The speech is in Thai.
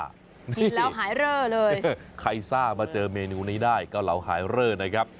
กินแล้วหายเรอเลยใครซ่ามาเจอเมนูนี้ได้เกาเหลาหายเรอนะครับ